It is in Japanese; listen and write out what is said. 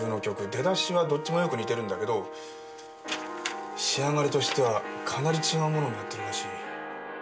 出だしはどっちもよく似てるんだけど仕上がりとしてはかなり違うものになってるらしい。